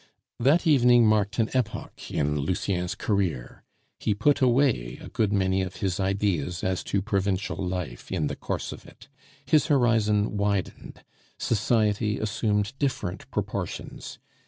That evening marked an epoch in Lucien's career; he put away a good many of his ideas as to provincial life in the course of it. His horizon widened; society assumed different proportions.